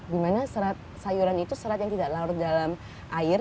dimana serat sayuran itu serat yang tidak larut dalam air